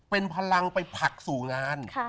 เป็นพลังไปผลักสู่งาน